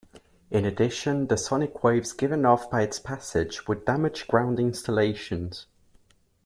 In addition, the sonic waves given off by its passage would damage ground installations.